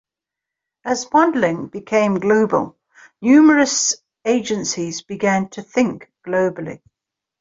As modelling became global, numerous agencies began to think globally.